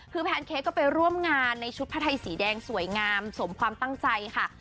คือแพนเค้กก็ไปร่วมงานในชุดผ้าไทยสีแดงสวยงามสมความตั้งใจค่ะ